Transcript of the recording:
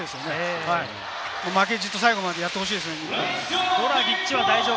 日本も負けじと最後までやってほしいですね。